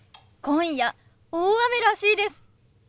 今夜大雨らしいです。